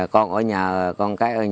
con ở nhà rồi con cám ơn